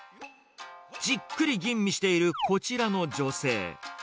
じっくり吟味しているこちらの女性。